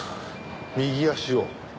右足を。